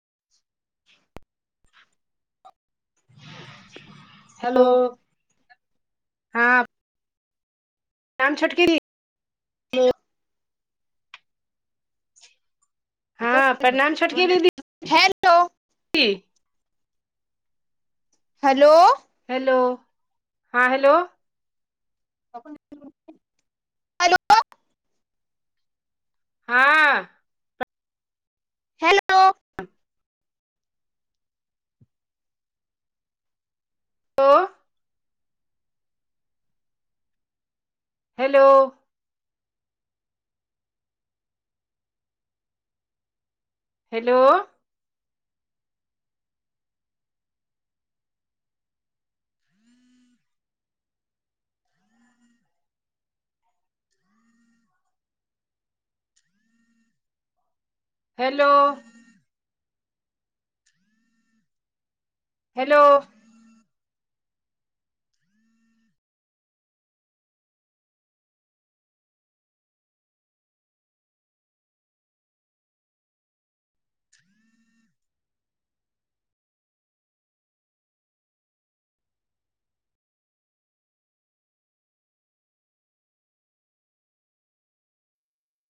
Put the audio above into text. [inaudible] hello हँ हम छोटकी दिदि हं हँ प्रणाम हेलो कि हेलो हेलो हां हेलो हेलो हाँ hello hello hello hello hello hello